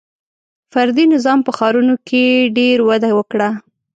• فردي نظام په ښارونو کې ډېر وده وکړه.